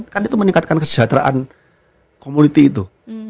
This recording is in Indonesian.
kan itu meningkatkan kesejahteraan komuniti itu